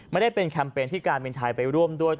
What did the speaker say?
ไม่ได้เป็นแคมเปญที่การบินไทยไปร่วมด้วย